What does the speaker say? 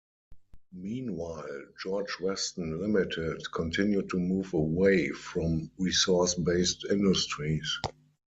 Meanwhile, George Weston Limited continued to move away from resource-based industries.